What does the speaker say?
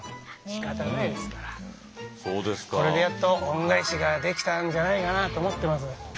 これでやっと恩返しができたんじゃないかなと思ってます。